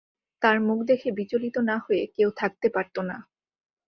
তাঁর মুখ দেখে বিচলিত না হয়ে কেউ থাকতে পারত না।